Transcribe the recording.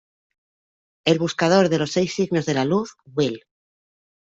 El Buscador de Los Seis Signos de la Luz, Will.